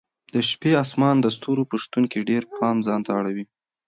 د شپې اسمان د ستورو په شتون کې ډېر پام ځانته اړوي.